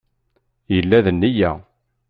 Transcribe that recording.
Yella d nneyya.